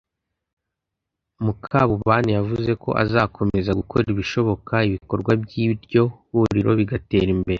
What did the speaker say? Mukabunani yavuze ko azakomeza gukora ibishoboka ibikorwa by’iryo huriro bigatera imbere